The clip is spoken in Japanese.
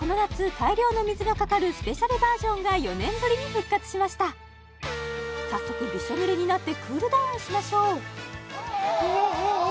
大量の水がかかるスペシャルバージョンが４年ぶりに復活しました早速びしょ濡れになってクールダウンしましょうおおおお